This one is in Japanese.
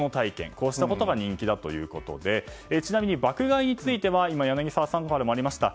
こうしたことが人気だということでちなみに爆買いについては柳澤さんからもありました